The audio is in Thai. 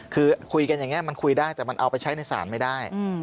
คือคุยกันอย่างนี้มันคุยได้แต่มันเอาไปใช้ในศาลไม่ได้